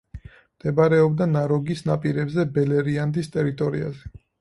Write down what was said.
მდებარეობდა ნაროგის ნაპირებზე, ბელერიანდის ტერიტორიაზე.